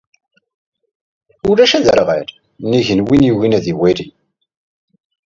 Ulac aderɣal nnig n win yugin ad iwali.